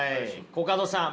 コカドさん